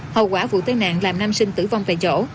hậu quả vụ tai nạn làm nam sinh tử vong tại chỗ